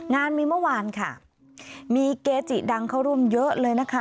งานมีเมื่อวานค่ะมีเกจิดังเข้าร่วมเยอะเลยนะคะ